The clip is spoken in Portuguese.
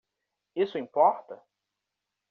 Isso importa?